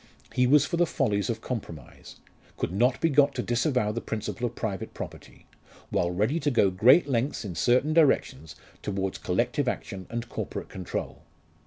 He was for the follies of compromise could not be got to disavow the principle of private property, while ready to go great lengths in certain directions towards collective action and corporate control.